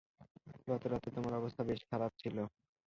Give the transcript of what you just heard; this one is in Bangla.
গত রাতে তোমার অবস্থা বেশ খারাপ ছিল।